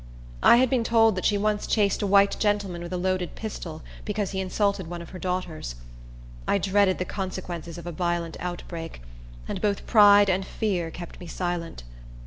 I had been told that she once chased a white gentleman with a loaded pistol, because he insulted one of her daughters. I dreaded the consequences of a violent outbreak; and both pride and fear kept me silent.